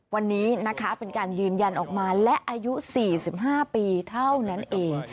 วันนี้นะคะเป็นการยืนยันออกมาและอายุ๔๕ปีเท่านั้นเอง